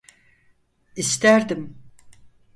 İsterdim.